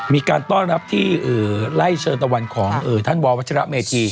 มีการต้อนรับที่ไล่เชิญตะวันของท่านววัชระเมธี